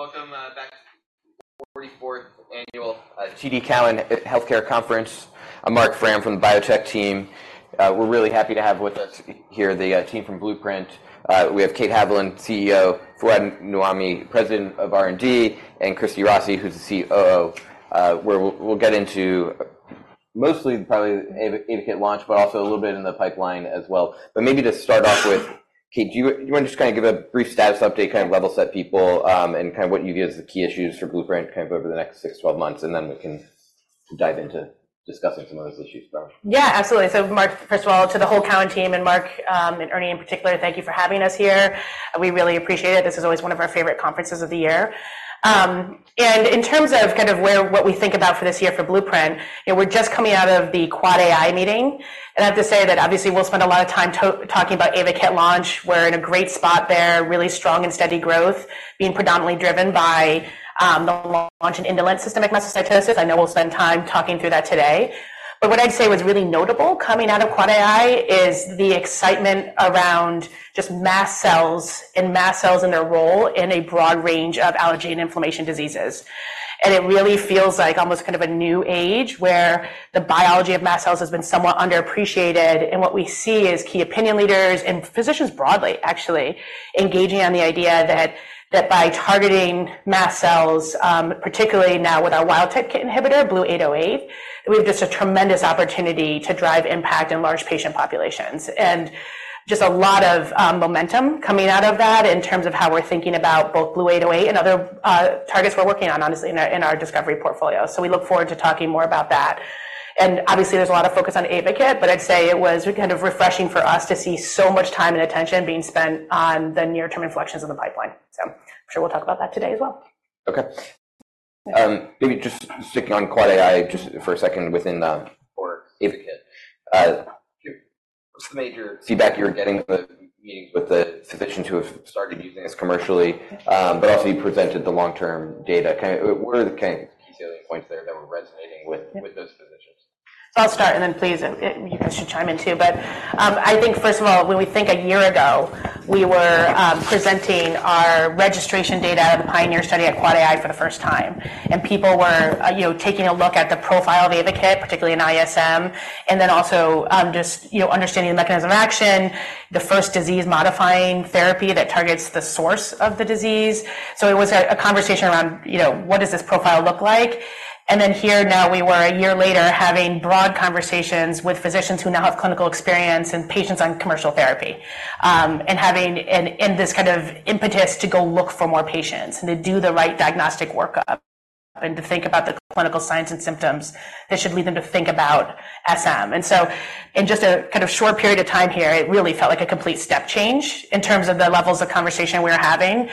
Welcome back to the 44th annual TD Cowen Healthcare Conference. I'm Marc Frahm from the biotech team. We're really happy to have with us here the team from Blueprint. We have Kate Haviland, CEO; Fouad Namouni, President of R&D; and Christina Rossi, who's the COO. We'll get into mostly probably the AYVAKIT launch, but also a little bit in the pipeline as well. But maybe to start off with, Kate, do you want to just kind of give a brief status update, kind of level set people, and kind of what you view as the key issues for Blueprint kind of over the next six, 12 months? And then we can dive into discussing some of those issues, probably. Yeah, absolutely. So Marc, first of all, to the whole Cowen team and Marc and Ernie in particular, thank you for having us here. We really appreciate it. This is always one of our favorite conferences of the year. In terms of kind of what we think about for this year for Blueprint, we're just coming out of the AAAAI meeting. And I have to say that obviously we'll spend a lot of time talking about AYVAKIT launch. We're in a great spot there, really strong and steady growth, being predominantly driven by the launch in indolent systemic mastocytosis. I know we'll spend time talking through that today. But what I'd say was really notable coming out of AAAAI is the excitement around just mast cells and mast cells and their role in a broad range of allergy and inflammation diseases. It really feels like almost kind of a new age where the biology of mast cells has been somewhat underappreciated. What we see is key opinion leaders and physicians broadly, actually, engaging on the idea that by targeting mast cells, particularly now with our wild-type KIT inhibitor, BLU-808, we have just a tremendous opportunity to drive impact in large patient populations. Just a lot of momentum coming out of that in terms of how we're thinking about both BLU-808 and other targets we're working on, honestly, in our discovery portfolio. So we look forward to talking more about that. Obviously there's a lot of focus on AYVAKIT, but I'd say it was kind of refreshing for us to see so much time and attention being spent on the near-term inflections in the pipeline. So I'm sure we'll talk about that today as well. Okay. Maybe just sticking on AAAAI just for a second within the AYVAKIT. What's the major feedback you were getting in the meetings with the physicians who have started using this commercially, but also you presented the long-term data? What were the kind of key salient points there that were resonating with those physicians? So I'll start, and then please, you guys should chime in too. But I think, first of all, when we think a year ago, we were presenting our registration data of the PIONEER study at AAAAI for the first time. And people were taking a look at the profile of AYVAKIT, particularly in ISM, and then also just understanding the mechanism of action, the first disease-modifying therapy that targets the source of the disease. So it was a conversation around, what does this profile look like? And then here now we were, a year later, having broad conversations with physicians who now have clinical experience and patients on commercial therapy and having this kind of impetus to go look for more patients and to do the right diagnostic workup and to think about the clinical science and symptoms that should lead them to think about SM. And so in just a kind of short period of time here, it really felt like a complete step change in terms of the levels of conversation we were having,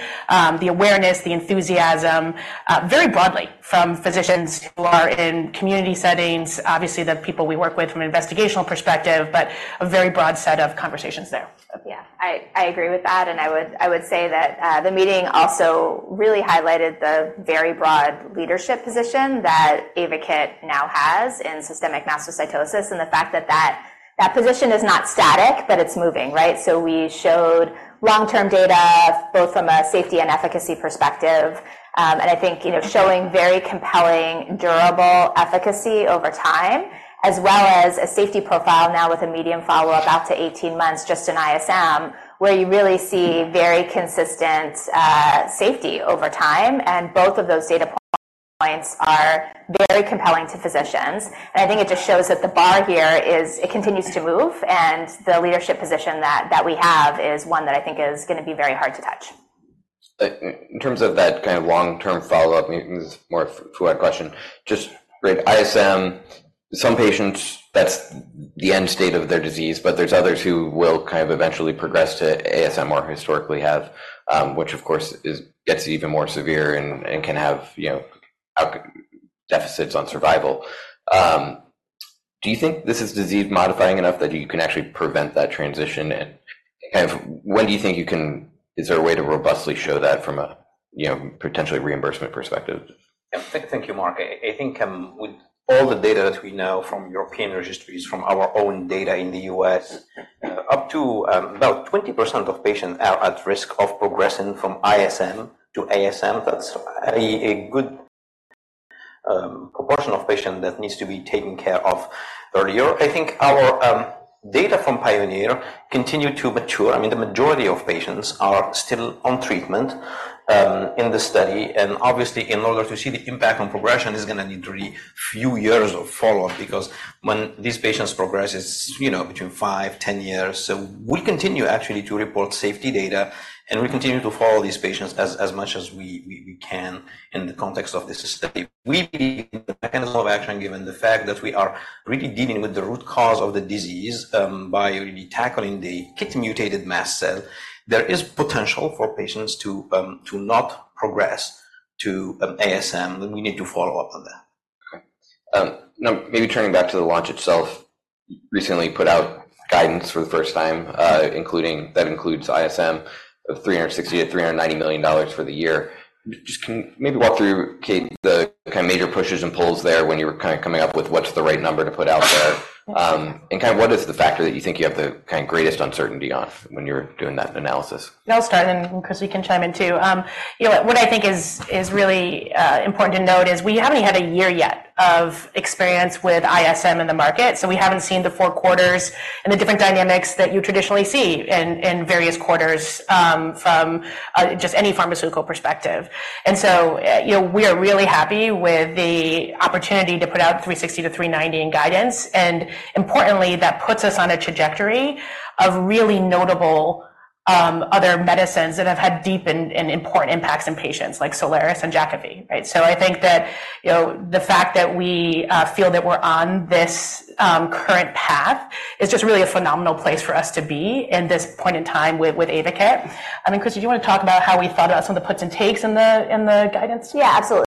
the awareness, the enthusiasm, very broadly from physicians who are in community settings, obviously the people we work with from an investigational perspective, but a very broad set of conversations there. Yeah, I agree with that. I would say that the meeting also really highlighted the very broad leadership position that AYVAKIT now has in systemic mastocytosis and the fact that that position is not static, but it's moving, right? We showed long-term data both from a safety and efficacy perspective. I think showing very compelling, durable efficacy over time, as well as a safety profile now with a median follow-up out to 18 months just in ISM, where you really see very consistent safety over time. Both of those data points are very compelling to physicians. I think it just shows that the bar here is, it continues to move, and the leadership position that we have is one that I think is going to be very hard to touch. In terms of that kind of long-term follow-up, this is more of a Fouad question. Just ISM, some patients, that's the end state of their disease, but there's others who will kind of eventually progress to ASM or historically have, which of course gets even more severe and can have deficits on survival. Do you think this is disease-modifying enough that you can actually prevent that transition? And kind of when do you think you can is there a way to robustly show that from a potentially reimbursement perspective? Thank you, Mark. I think with all the data that we know from European registries, from our own data in the U.S., up to about 20% of patients are at risk of progressing from ISM to ASM. That's a good proportion of patients that needs to be taken care of earlier. I think our data from PIONEER continue to mature. I mean, the majority of patients are still on treatment in the study. And obviously, in order to see the impact on progression, it's going to need really a few years of follow-up because when these patients progress, it's between five to 10 years. So we continue actually to report safety data, and we continue to follow these patients as much as we can in the context of this study. We believe in the mechanism of action, given the fact that we are really dealing with the root cause of the disease by really tackling the KIT-mutated mast cell. There is potential for patients to not progress to ASM, and we need to follow up on that. Okay. Now, maybe turning back to the launch itself, you recently put out guidance for the first time that includes ISM of $360-$390 million for the year. Just maybe walk through, Kate, the kind of major pushes and pulls there when you were kind of coming up with what's the right number to put out there. And kind of what is the factor that you think you have the kind of greatest uncertainty on when you were doing that analysis? I'll start, and Christina can chime in too. What I think is really important to note is we haven't had a year yet of experience with ISM in the market. So we haven't seen the four quarters and the different dynamics that you traditionally see in various quarters from just any pharmaceutical perspective. And so we are really happy with the opportunity to put out $360-$390 in guidance. And importantly, that puts us on a trajectory of really notable other medicines that have had deep and important impacts in patients like Soliris and Jakafi, right? So I think that the fact that we feel that we're on this current path is just really a phenomenal place for us to be in this point in time with AYVAKIT. I mean, Christina, do you want to talk about how we thought about some of the puts and takes in the guidance? Yeah, absolutely.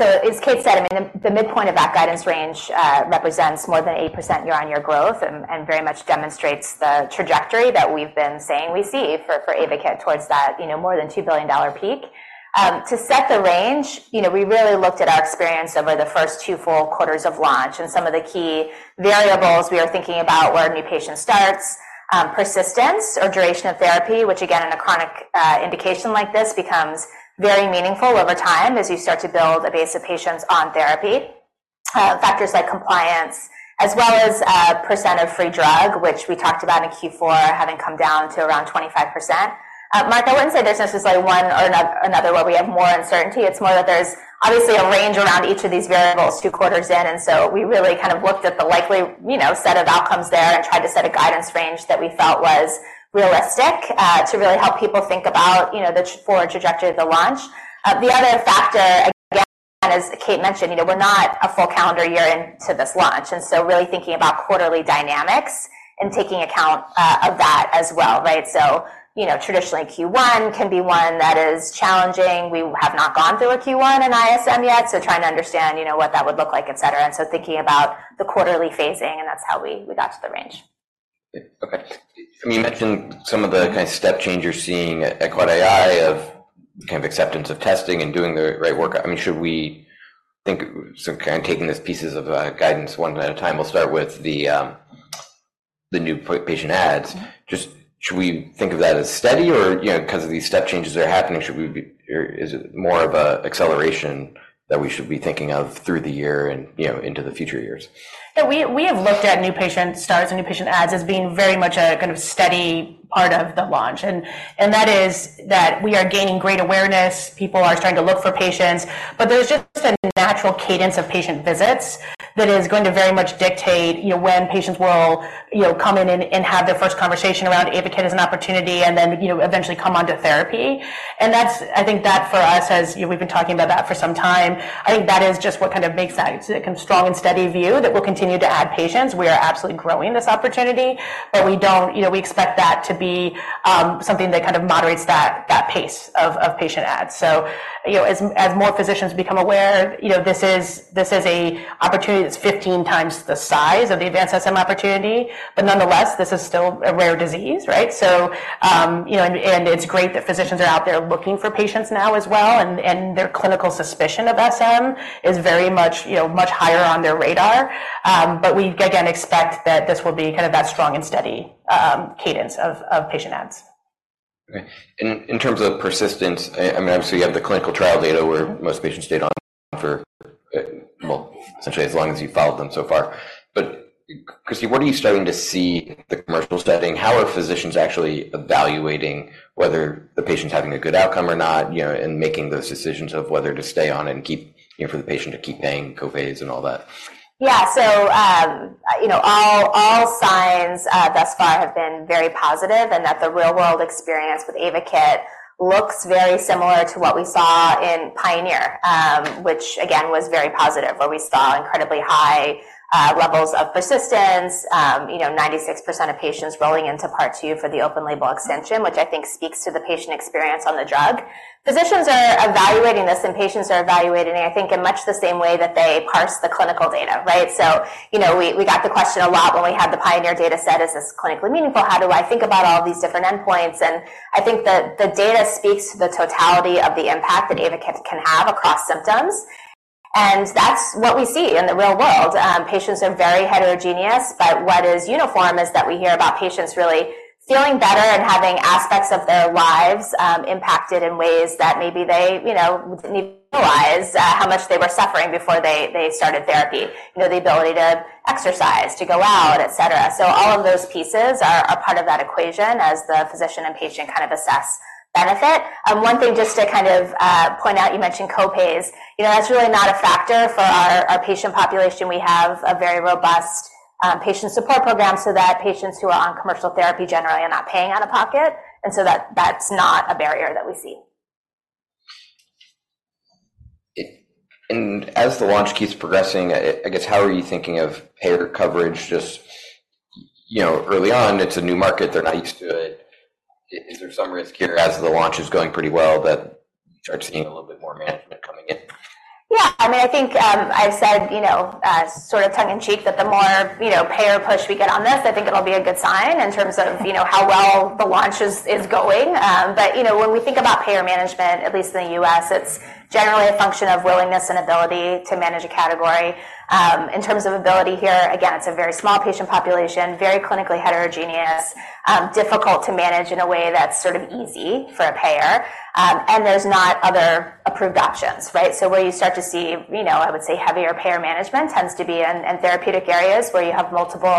So as Kate said, I mean, the midpoint of that guidance range represents more than 8% year-on-year growth and very much demonstrates the trajectory that we've been saying we see for AYVAKIT towards that more than $2 billion peak. To set the range, we really looked at our experience over the first two full quarters of launch. Some of the key variables we are thinking about were new patient starts, persistence or duration of therapy, which again, in a chronic indication like this, becomes very meaningful over time as you start to build a base of patients on therapy, factors like compliance, as well as percent of free drug, which we talked about in Q4 having come down to around 25%. Marc, I wouldn't say there's necessarily one or another where we have more uncertainty. It's more that there's obviously a range around each of these variables two quarters in. And so we really kind of looked at the likely set of outcomes there and tried to set a guidance range that we felt was realistic to really help people think about the forward trajectory of the launch. The other factor, again, as Kate mentioned, we're not a full calendar year into this launch. And so really thinking about quarterly dynamics and taking account of that as well, right? So traditionally, Q1 can be one that is challenging. We have not gone through a Q1 in ISM yet, so trying to understand what that would look like, etc. And so thinking about the quarterly phasing, and that's how we got to the range. Okay. I mean, you mentioned some of the kind of step change you're seeing at AAAAI of kind of acceptance of testing and doing the right work. I mean, should we think so kind of taking these pieces of guidance one at a time? We'll start with the new patient ads. Just should we think of that as steady, or because of these step changes that are happening, should we be or is it more of an acceleration that we should be thinking of through the year and into the future years? Yeah, we have looked at new patient starts and new patient adds as being very much a kind of steady part of the launch. And that is that we are gaining great awareness. People are starting to look for patients. But there's just a natural cadence of patient visits that is going to very much dictate when patients will come in and have their first conversation around AYVAKIT as an opportunity and then eventually come onto therapy. And I think that for us, as we've been talking about that for some time, I think that is just what kind of makes that kind of strong and steady view that we'll continue to add patients. We are absolutely growing this opportunity, but we expect that to be something that kind of moderates that pace of patient adds. As more physicians become aware, this is an opportunity that's 15 times the size of the advanced SM opportunity. But nonetheless, this is still a rare disease, right? And it's great that physicians are out there looking for patients now as well. And their clinical suspicion of SM is very much higher on their radar. But we, again, expect that this will be kind of that strong and steady cadence of patient adds. Okay. And in terms of persistence, I mean, obviously you have the clinical trial data where most patients stayed on for, well, essentially as long as you followed them so far. But Christina, what are you starting to see in the commercial setting? How are physicians actually evaluating whether the patient's having a good outcome or not and making those decisions of whether to stay on and keep for the patient to keep paying copays and all that? Yeah. So all signs thus far have been very positive and that the real-world experience with AYVAKIT looks very similar to what we saw in PIONEER, which again was very positive, where we saw incredibly high levels of persistence, 96% of patients rolling into part two for the open-label extension, which I think speaks to the patient experience on the drug. Physicians are evaluating this, and patients are evaluating, I think, in much the same way that they parse the clinical data, right? So we got the question a lot when we had the PIONEER data set, "Is this clinically meaningful? How do I think about all these different endpoints?" And I think the data speaks to the totality of the impact that AYVAKIT can have across symptoms. And that's what we see in the real world. Patients are very heterogeneous, but what is uniform is that we hear about patients really feeling better and having aspects of their lives impacted in ways that maybe they didn't realize how much they were suffering before they started therapy, the ability to exercise, to go out, etc. So all of those pieces are part of that equation as the physician and patient kind of assess benefit. One thing just to kind of point out, you mentioned copays. That's really not a factor for our patient population. We have a very robust patient support program so that patients who are on commercial therapy generally are not paying out of pocket. And so that's not a barrier that we see. As the launch keeps progressing, I guess, how are you thinking of payer coverage? Just early on, it's a new market. They're not used to it. Is there some risk here as the launch is going pretty well that you start seeing a little bit more management coming in? Yeah. I mean, I think I've said sort of tongue-in-cheek that the more payer push we get on this, I think it'll be a good sign in terms of how well the launch is going. But when we think about payer management, at least in the U.S., it's generally a function of willingness and ability to manage a category. In terms of ability here, again, it's a very small patient population, very clinically heterogeneous, difficult to manage in a way that's sort of easy for a payer. And there's not other approved options, right? So where you start to see, I would say, heavier payer management tends to be in therapeutic areas where you have multiple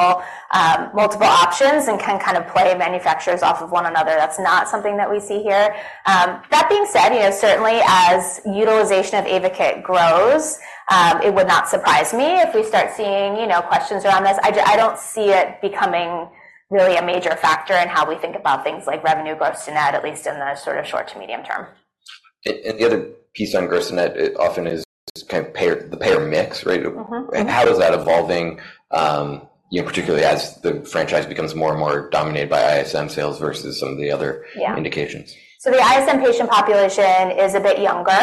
options and can kind of play manufacturers off of one another. That's not something that we see here. That being said, certainly as utilization of AYVAKIT grows, it would not surprise me if we start seeing questions around this. I don't see it becoming really a major factor in how we think about things like revenue gross to net, at least in the sort of short to medium term. The other piece on gross to net, it often is kind of the payer mix, right? How is that evolving, particularly as the franchise becomes more and more dominated by ISM sales versus some of the other indications? So the ISM patient population is a bit younger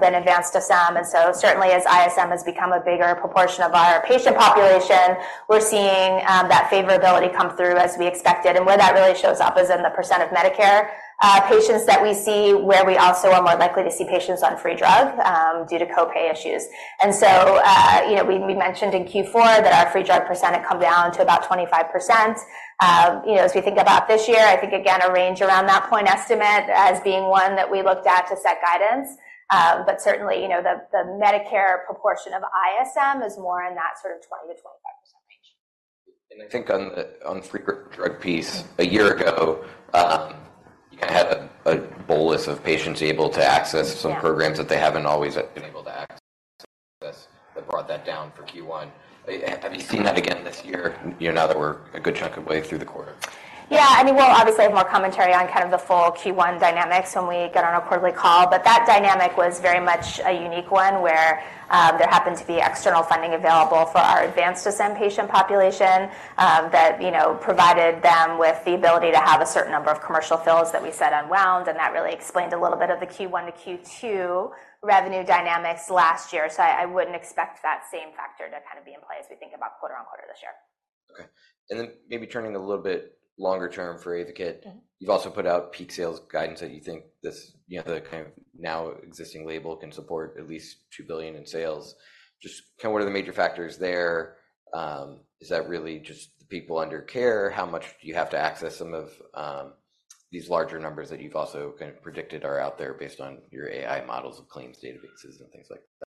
than advanced SM. And so certainly, as ISM has become a bigger proportion of our patient population, we're seeing that favorability come through as we expected. And where that really shows up is in the percent of Medicare patients that we see, where we also are more likely to see patients on free drug due to copay issues. And so we mentioned in Q4 that our free drug percent had come down to about 25%. As we think about this year, I think, again, a range around that point estimate as being one that we looked at to set guidance. But certainly, the Medicare proportion of ISM is more in that sort of 20%-25% range. I think on the free drug piece, a year ago, you kind of had a bolus of patients able to access some programs that they haven't always been able to access that brought that down for Q1. Have you seen that again this year now that we're a good chunk of way through the quarter? Yeah. I mean, we'll obviously have more commentary on kind of the full Q1 dynamics when we get on a quarterly call. But that dynamic was very much a unique one where there happened to be external funding available for our advanced SM patient population that provided them with the ability to have a certain number of commercial fills that we set unwound. And that really explained a little bit of the Q1-Q2 revenue dynamics last year. So I wouldn't expect that same factor to kind of be in play as we think about quarter-over-quarter this year. Okay. And then maybe turning a little bit longer term for AYVAKIT, you've also put out peak sales guidance that you think the kind of now existing label can support at least $2 billion in sales. Just kind of what are the major factors there? Is that really just the people under care? How much do you have to access some of these larger numbers that you've also kind of predicted are out there based on your AI models of claims databases and things like that?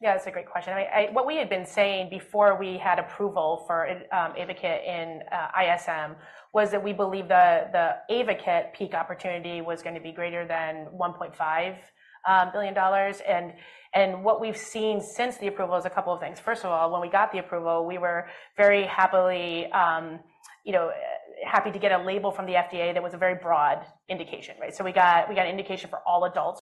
Yeah, that's a great question. I mean, what we had been saying before we had approval for AYVAKIT in ISM was that we believe the AYVAKIT peak opportunity was going to be greater than $1.5 billion. And what we've seen since the approval is a couple of things. First of all, when we got the approval, we were very happy to get a label from the FDA that was a very broad indication, right? So we got an indication for all adults.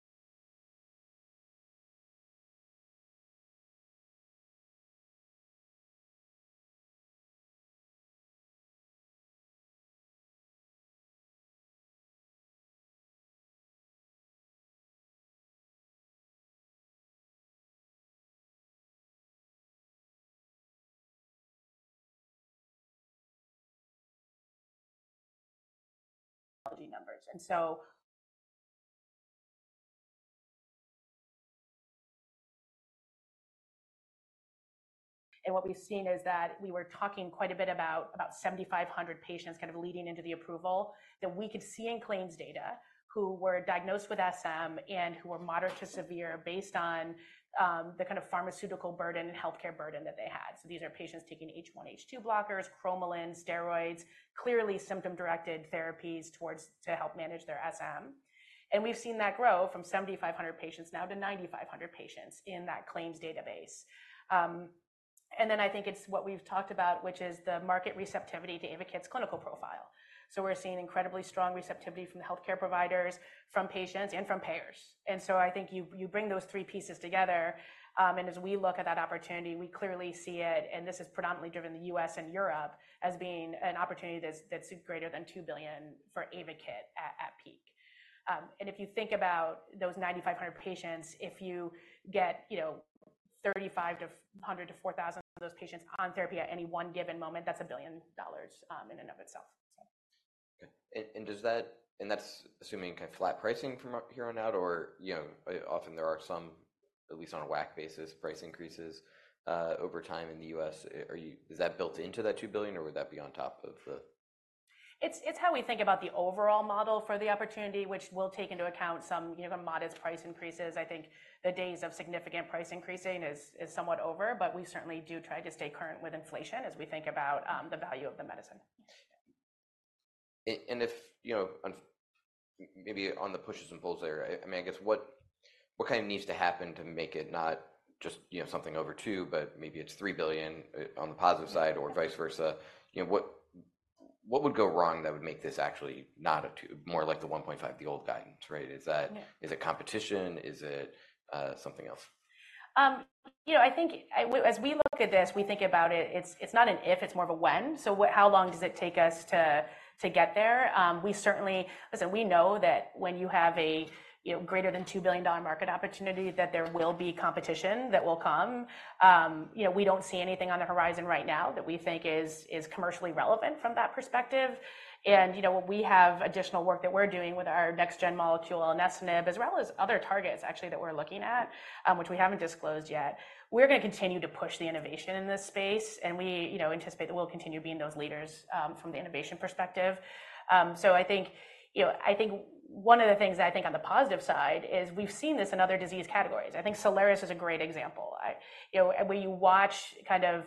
And what we've seen is that we were talking quite a bit about 7,500 patients kind of leading into the approval that we could see in claims data who were diagnosed with SM and who were moderate to severe based on the kind of pharmaceutical burden and healthcare burden that they had. So these are patients taking H1, H2 blockers, cromolyn, steroids, clearly symptom-directed therapies to help manage their SM. And we've seen that grow from 7,500 patients now to 9,500 patients in that claims database. And then I think it's what we've talked about, which is the market receptivity to AYVAKIT's clinical profile. So we're seeing incredibly strong receptivity from healthcare providers, from patients, and from payers. And so I think you bring those three pieces together. And as we look at that opportunity, we clearly see it, and this is predominantly driven in the U.S. and Europe, as being an opportunity that's greater than $2 billion for AYVAKIT at peak. And if you think about those 9,500 patients, if you get 3,500-4,000 of those patients on therapy at any one given moment, that's $1 billion in and of itself, so. Okay. That's assuming kind of flat pricing from here on out, or often there are some, at least on a WAC basis, price increases over time in the U.S. Is that built into that $2 billion, or would that be on top of the? It's how we think about the overall model for the opportunity, which will take into account some modest price increases. I think the days of significant price increasing is somewhat over, but we certainly do try to stay current with inflation as we think about the value of the medicine. Maybe on the pushes and pulls there, I mean, I guess what kind of needs to happen to make it not just something over $2 billion, but maybe it's $3 billion on the positive side or vice versa? What would go wrong that would make this actually more like the $1.5 billion, the old guidance, right? Is it competition? Is it something else? I think as we look at this, we think about it, it's not an if, it's more of a when. So how long does it take us to get there? Listen, we know that when you have a greater than $2 billion market opportunity, that there will be competition that will come. We don't see anything on the horizon right now that we think is commercially relevant from that perspective. And what we have additional work that we're doing with our next-gen molecule and ISM, as well as other targets actually that we're looking at, which we haven't disclosed yet, we're going to continue to push the innovation in this space. And we anticipate that we'll continue being those leaders from the innovation perspective. So I think one of the things that I think on the positive side is we've seen this in other disease categories. I think Soliris is a great example, where you watch kind of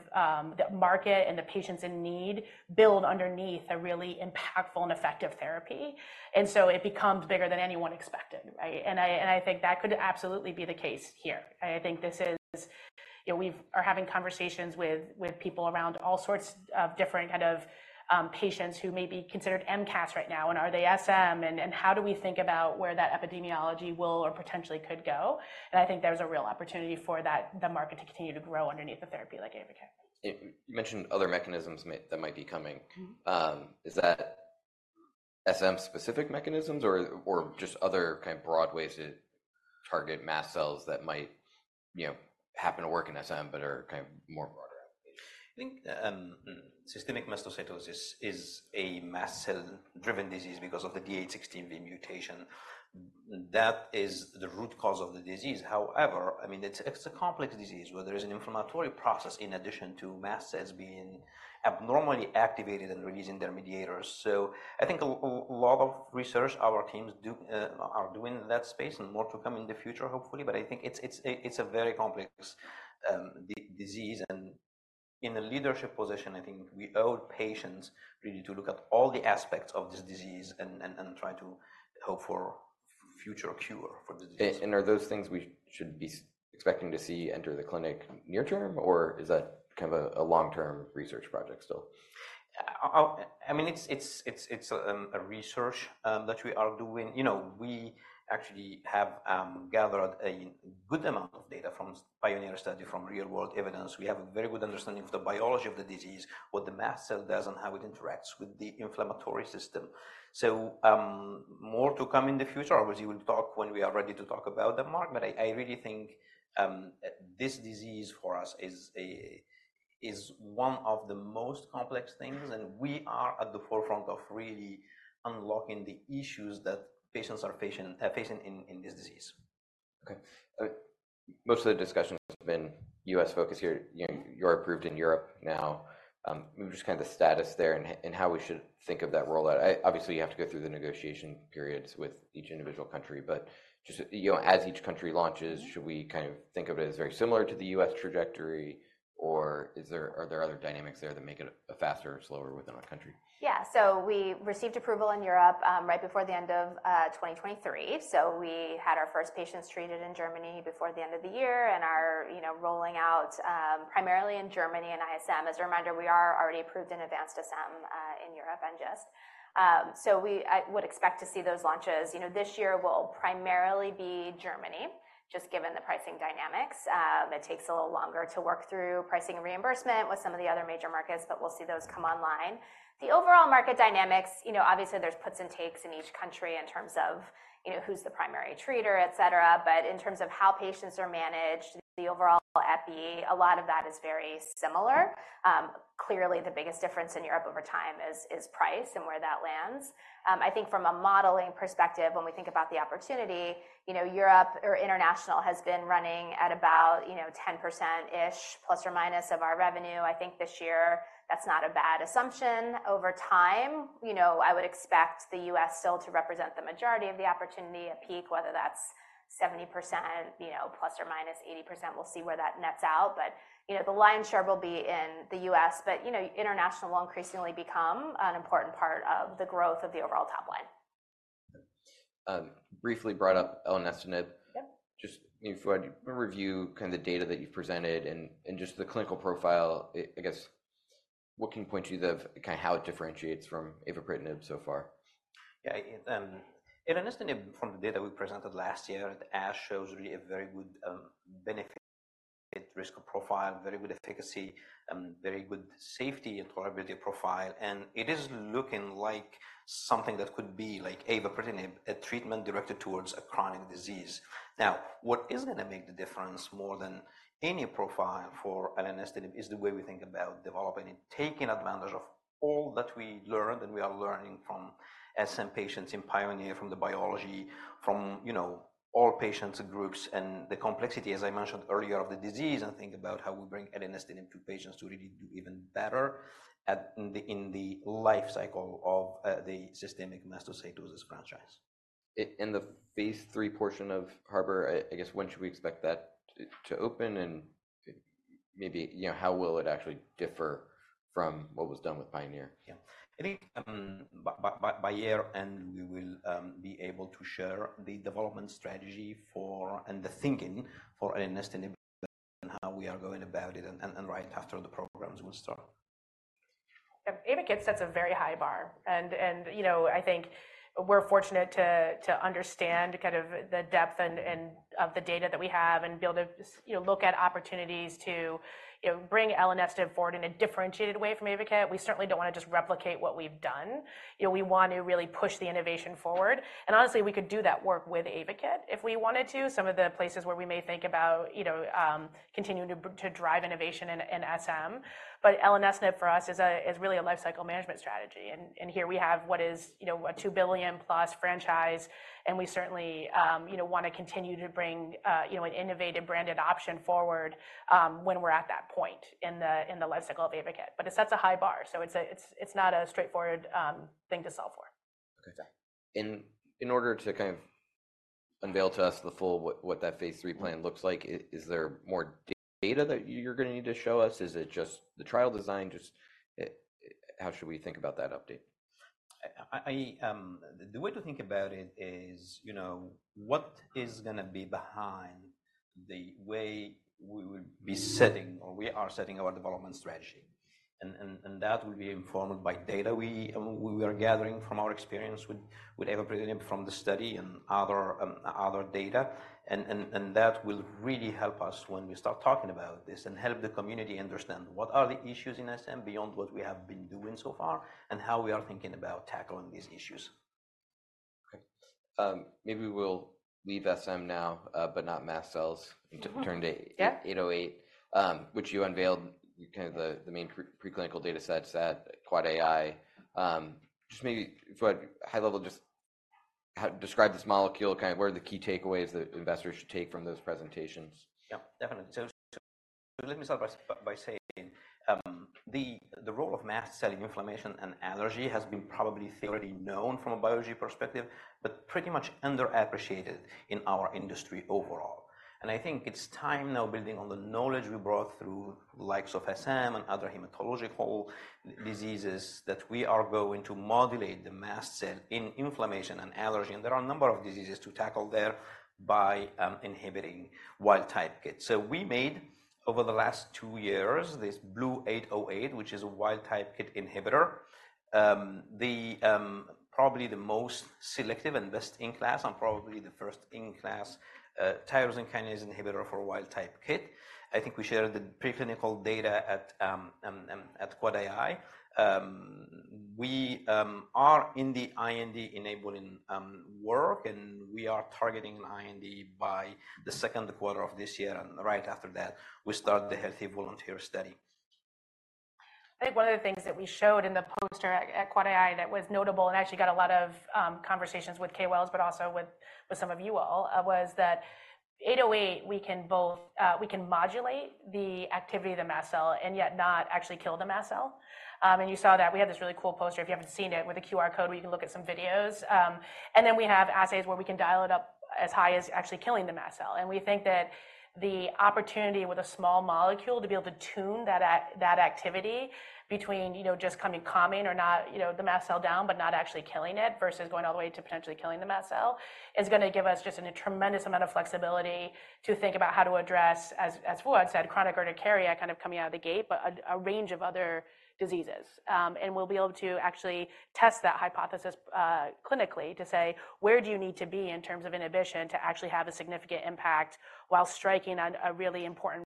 the market and the patients in need build underneath a really impactful and effective therapy. So it becomes bigger than anyone expected, right? I think that could absolutely be the case here. I think we are having conversations with people around all sorts of different kind of patients who may be considered MCAS right now. And are they SM? And how do we think about where that epidemiology will or potentially could go? And I think there's a real opportunity for the market to continue to grow underneath the therapy like Ayvakit. You mentioned other mechanisms that might be coming. Is that SM-specific mechanisms or just other kind of broad ways to target mast cells that might happen to work in SM but are kind of more broader applications? I think systemic mastocytosis is a mast cell-driven disease because of the D816V mutation. That is the root cause of the disease. However, I mean, it's a complex disease where there is an inflammatory process in addition to mast cells being abnormally activated and releasing their mediators. So I think a lot of research our teams are doing in that space and more to come in the future, hopefully. But I think it's a very complex disease. In a leadership position, I think we owe patients really to look at all the aspects of this disease and try to hope for future cure for the disease. Are those things we should be expecting to see enter the clinic near term, or is that kind of a long-term research project still? I mean, it's a research that we are doing. We actually have gathered a good amount of data from PIONEER study, from real-world evidence. We have a very good understanding of the biology of the disease, what the mast cell does, and how it interacts with the inflammatory system. So more to come in the future. Obviously, we'll talk when we are ready to talk about the market. But I really think this disease for us is one of the most complex things. And we are at the forefront of really unlocking the issues that patients are facing in this disease. Okay. Most of the discussion has been U.S. focus here. You're approved in Europe now. Maybe just kind of the status there and how we should think of that rollout. Obviously, you have to go through the negotiation periods with each individual country. But just as each country launches, should we kind of think of it as very similar to the U.S. trajectory, or are there other dynamics there that make it faster or slower within a country? Yeah. So we received approval in Europe right before the end of 2023. So we had our first patients treated in Germany before the end of the year and are rolling out primarily in Germany and ISM. As a reminder, we are already approved in advanced SM in Europe and just. So I would expect to see those launches. This year will primarily be Germany, just given the pricing dynamics. It takes a little longer to work through pricing and reimbursement with some of the other major markets, but we'll see those come online. The overall market dynamics, obviously, there's puts and takes in each country in terms of who's the primary treater, etc. But in terms of how patients are managed, the overall EPI, a lot of that is very similar. Clearly, the biggest difference in Europe over time is price and where that lands. I think from a modeling perspective, when we think about the opportunity, Europe or international has been running at about 10%-ish ± of our revenue. I think this year, that's not a bad assumption. Over time, I would expect the U.S. still to represent the majority of the opportunity at peak, whether that's 70% ± 80%. We'll see where that nets out. But the lion's share will be in the U.S. But international will increasingly become an important part of the growth of the overall top line. Briefly brought up Elenestinib to avapritinib. Just maybe Fouad, review kind of the data that you've presented and just the clinical profile. I guess what can point you to kind of how it differentiates from avapritinib and avapritinib so far? Yeah. Elenestinib, from the data we presented last year, the ASH shows really a very good benefit-risk profile, very good efficacy, very good safety and tolerability profile. And it is looking like something that could be like avapritinib, a treatment directed towards a chronic disease. Now, what is going to make the difference more than any profile for Elenestinib is the way we think about developing it, taking advantage of all that we learned and we are learning from SM patients in PIONEER, from the biology, from all patients' groups, and the complexity, as I mentioned earlier, of the disease and think about how we bring Elenestinib to patients to really do even better in the life cycle of the systemic mastocytosis franchise. In the phase III portion of HARBOR, I guess when should we expect that to open? And maybe how will it actually differ from what was done with PIONEER? Yeah. I think by year, and we will be able to share the development strategy and the thinking for Elenestinib and how we are going about it. And right after the programs will start. AYVAKIT sets a very high bar. I think we're fortunate to understand kind of the depth of the data that we have and be able to look at opportunities to bring Elenestinib forward in a differentiated way from AYVAKIT. We certainly don't want to just replicate what we've done. We want to really push the innovation forward. Honestly, we could do that work with AYVAKIT if we wanted to, some of the places where we may think about continuing to drive innovation in SM. Elenestinib for us is really a life cycle management strategy. Here we have what is a $2 billion-plus franchise. We certainly want to continue to bring an innovative branded adoption forward when we're at that point in the life cycle of AYVAKIT. It sets a high bar. It's not a straightforward thing to solve for. Okay. In order to kind of unveil to us the full what that phase III plan looks like, is there more data that you're going to need to show us? Is it just the trial design? How should we think about that update? The way to think about it is what is going to be behind the way we will be setting or we are setting our development strategy. That will be informed by data we are gathering from our experience with avapritinib in ISM from the study and other data. That will really help us when we start talking about this and help the community understand what are the issues in SM beyond what we have been doing so far and how we are thinking about tackling these issues. Okay. Maybe we'll leave SM now, but not mast cells, and turn to 808, which you unveiled kind of the main preclinical data sets that caught eye. Just maybe, Fouad, high level, just describe this molecule, kind of what are the key takeaways that investors should take from those presentations? Yeah. Definitely. So let me start by saying the role of mast cell in inflammation and allergy has been probably theoretically known from a biology perspective, but pretty much underappreciated in our industry overall. And I think it's time now, building on the knowledge we brought through likes of SM and other hematological diseases, that we are going to modulate the mast cell in inflammation and allergy. And there are a number of diseases to tackle there by inhibiting wild-type KIT. So we made, over the last two years, this BLU-808, which is a wild-type KIT inhibitor, probably the most selective and best in class and probably the first in class tyrosine kinase inhibitor for a wild-type KIT. I think we shared the preclinical data at AAAAI. We are in the IND-enabling work, and we are targeting an IND by the second quarter of this year. Right after that, we start the healthy volunteer study. I think one of the things that we showed in the poster at AAAAI that was notable and actually got a lot of conversations with KOLs, but also with some of you all, was that 808, we can modulate the activity of the mast cell and yet not actually kill the mast cell. You saw that. We had this really cool poster, if you haven't seen it, with a QR code where you can look at some videos. Then we have assays where we can dial it up as high as actually killing the mast cell. We think that the opportunity with a small molecule to be able to tune that activity between just calming or not the mast cell down, but not actually killing it versus going all the way to potentially killing the mast cell is going to give us just a tremendous amount of flexibility to think about how to address, as Fouad said, chronic urticaria kind of coming out of the gate, but a range of other diseases. We'll be able to actually test that hypothesis clinically to say, where do you need to be in terms of inhibition to actually have a significant impact while striking on a really important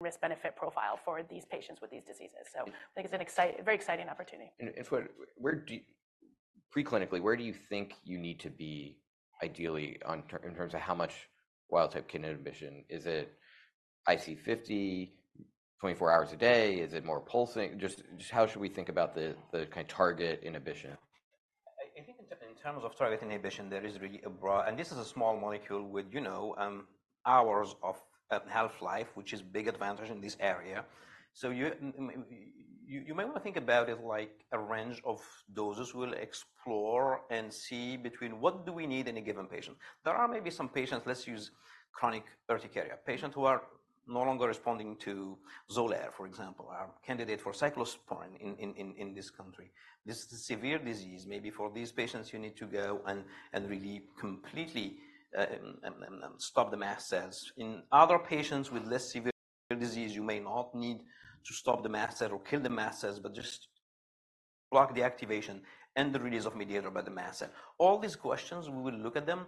risk-benefit profile for these patients with these diseases? I think it's a very exciting opportunity. Fouad, preclinically, where do you think you need to be ideally in terms of how much wild-type kinase inhibition? Is it IC50 24 hours a day? Is it more pulsing? Just how should we think about the kind of target inhibition? I think in terms of target inhibition, there is really a broad and this is a small molecule with hours of half-life, which is a big advantage in this area. So you may want to think about it like a range of doses we'll explore and see between what do we need in a given patient. There are maybe some patients; let's use chronic urticaria patients who are no longer responding to Xolair, for example, are candidates for cyclosporine in this country. This is a severe disease. Maybe for these patients, you need to go and really completely stop the mast cells. In other patients with less severe disease, you may not need to stop the mast cell or kill the mast cells, but just block the activation and the release of mediator by the mast cell. All these questions, we will look at them.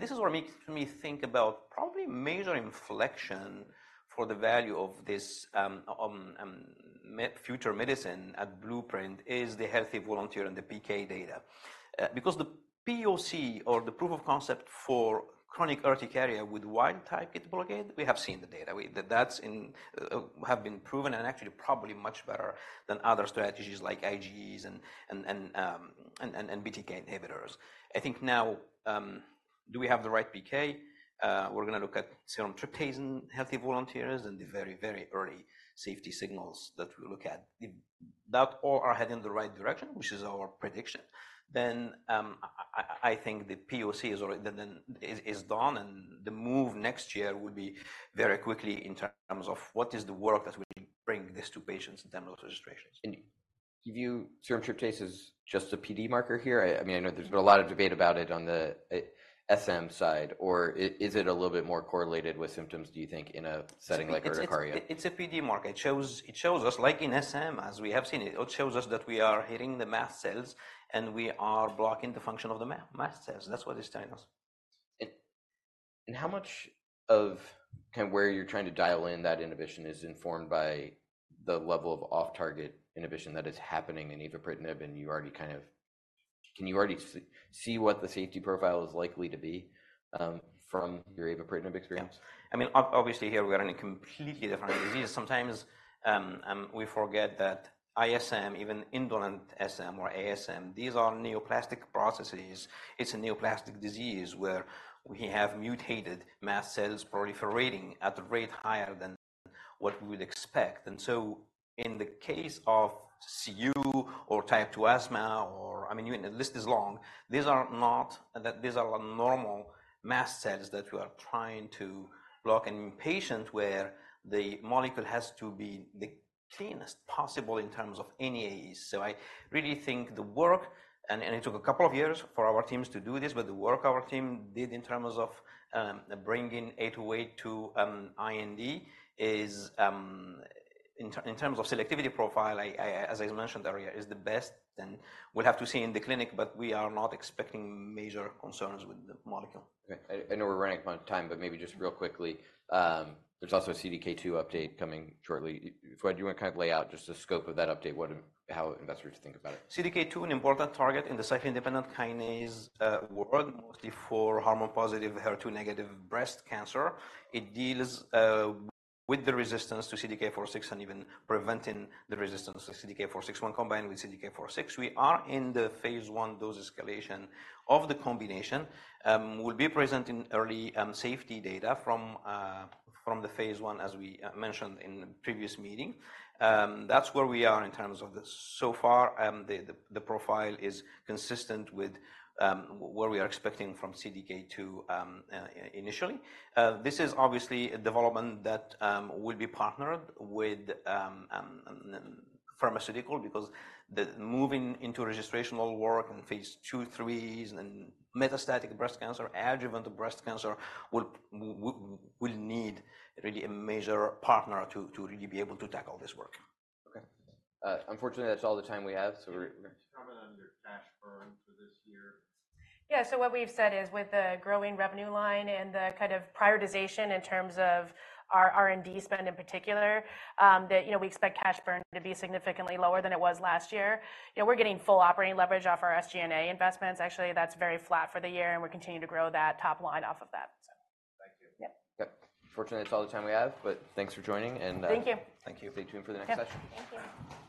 This is what makes me think about probably major inflection for the value of this future medicine at Blueprint is the healthy volunteer and the PK data. Because the POC or the proof of concept for chronic urticaria with wild-type KIT blockade, we have seen the data. That has been proven and actually probably much better than other strategies like IgE and BTK inhibitors. I think now, do we have the right PK? We're going to look at serum tryptase in healthy volunteers and the very, very early safety signals that we look at. If that all are heading in the right direction, which is our prediction, then I think the POC is done and the move next year will be very quickly in terms of what is the work that we bring this to patients in terms of registrations. And give you serum tryptase as just a PD marker here. I mean, I know there's been a lot of debate about it on the SM side. Or is it a little bit more correlated with symptoms, do you think, in a setting like urticaria? It's a PD marker. It shows us, like in SM, as we have seen it, it shows us that we are hitting the mast cells and we are blocking the function of the mast cells. That's what it's telling us. How much of kind of where you're trying to dial in that inhibition is informed by the level of off-target inhibition that is happening in avapritinib? Can you already see what the safety profile is likely to be from your avapritinib experience? Yeah. I mean, obviously, here we are in a completely different disease. Sometimes we forget that ISM, even indolent SM or ASM, these are neoplastic processes. It's a neoplastic disease where we have mutated mast cells proliferating at a rate higher than what we would expect. And so in the case of CU or type 2 asthma or I mean, the list is long. These are not that these are normal mast cells that we are trying to block. And in patients where the molecule has to be the cleanest possible in terms of AEs. So I really think the work and it took a couple of years for our teams to do this, but the work our team did in terms of bringing 808 to IND is, in terms of selectivity profile, as I mentioned earlier, is the best. We'll have to see in the clinic, but we are not expecting major concerns with the molecule. Okay. I know we're running up on time, but maybe just real quickly, there's also a CDK2 update coming shortly. Fouad, do you want to kind of lay out just the scope of that update, how investors should think about it? CDK2, an important target in the cyclin-dependent kinase world, mostly for hormone-positive, HER2-negative breast cancer. It deals with the resistance to CDK4/6 and even preventing the resistance to CDK4/6 inhibitor combined with CDK4/6. We are in the phase I dose escalation of the combination. We'll be presenting early safety data from the phase I, as we mentioned in the previous meeting. That's where we are in terms of this. So far, the profile is consistent with what we are expecting from CDK2 initially. This is obviously a development that will be partnered with pharmaceutical because moving into registrational work in phase II, IIIs, and metastatic breast cancer, adjuvant breast cancer will need really a major partner to really be able to tackle this work. Okay. Unfortunately, that's all the time we have. So we're. Comment on your cash burn for this year? Yeah. So what we've said is with the growing revenue line and the kind of prioritization in terms of our R&D spend in particular, that we expect cash burn to be significantly lower than it was last year. We're getting full operating leverage off our SG&A investments. Actually, that's very flat for the year, and we're continuing to grow that top line off of that, so. Thank you. Yeah. Good. Unfortunately, that's all the time we have, but thanks for joining. And. Thank you. Thank you. Stay tuned for the next session. Okay. Thank you.